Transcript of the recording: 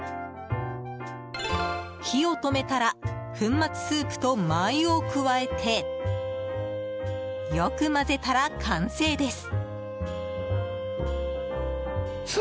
火を止めたら粉末スープとマー油を加えてよく混ぜたら、完成です。